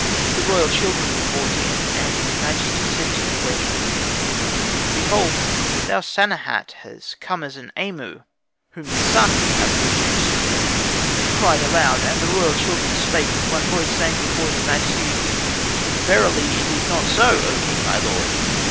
The royal children were brought in, and his majesty said to the queen, "Behold thou Sanehat has come as an Amu, whom the Sati have produced." She cried aloud, and the royal children spake with one voice, saying, before his majesty, "Verily it is not so, O king, my lord."